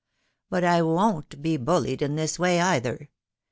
But I woVt be bullied in this way, either.